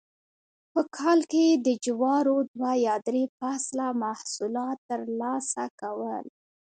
په کال کې یې د جوارو دوه یا درې فصله محصولات ترلاسه کول